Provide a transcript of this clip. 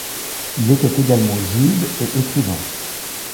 Il était également juge et écrivain.